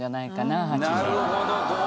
なるほど。